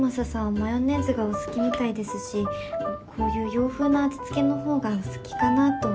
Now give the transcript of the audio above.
マヨネーズがお好きみたいですしこういう洋風な味付けの方がお好きかなと。